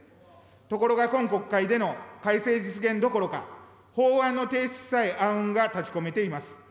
ところが今国会での改正実現どころか、法案の提出さえ暗雲が立ちこめています。